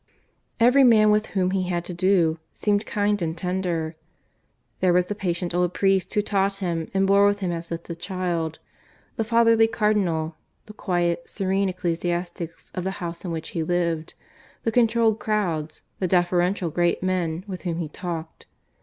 Every man with whom he had to do seemed kind and tender; there was the patient old priest who taught him and bore with him as with a child, the fatherly cardinal, the quiet, serene ecclesiastics of the house in which he lived, the controlled crowds, the deferential great men with whom he talked.